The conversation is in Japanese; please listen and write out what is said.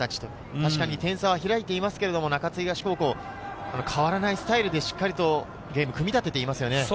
確かに点差は開いていますが中津東、変わらないスタイルでしっかりとゲームを組み立てていますよね。